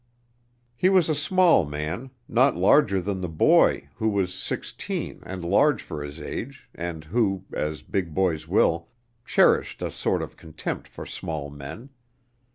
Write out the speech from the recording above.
He was a small man, not larger than the boy, who was sixteen, and large for his age, and who, as big boys will, cherished a sort of contempt for small men.